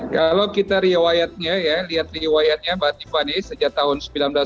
kalau kita lihat riwayatnya mbak tiffany sejak tahun seribu sembilan ratus sembilan puluh lima